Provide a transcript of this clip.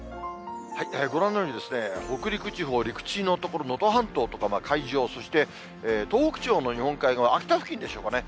ご覧のように、北陸地方、陸地の所、能登半島とか海上、そして東北地方の日本海側、秋田付近でしょうかね。